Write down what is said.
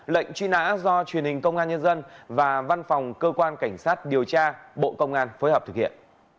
lệnh truy nã do truyền hình công an nhân dân và văn phòng cơ quan cảnh sát điều tra bộ công an phối hợp thực hiện